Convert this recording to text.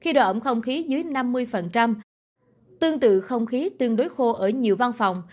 khi độ ẩm không khí dưới năm mươi tương tự không khí tương đối khô ở nhiều văn phòng